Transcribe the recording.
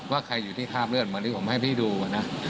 ว่าใครอยู่ที่คราบเลือดเหมือนที่ผมให้พี่ดูนะ